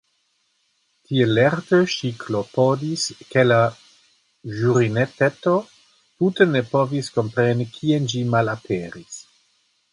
Tiel lerte ŝi klopodis ke la ĵurinteto tute ne povis kompreni kien ĝi malaperis.